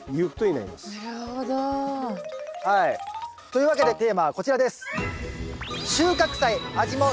なるほど。というわけでテーマはこちらです。